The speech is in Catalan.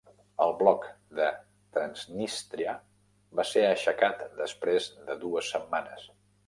El bloc de Transnístria va ser aixecat després de dues setmanes.